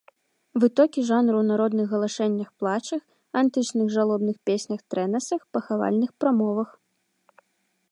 Вытокі жанру ў народных галашэннях-плачах, антычных жалобных песнях-трэнасах, пахавальных прамовах.